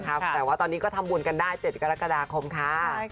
แต่ว่าตอนนี้ก็ทำบุญกันได้๗กรกฎาคมค่ะ